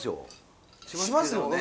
しますよね。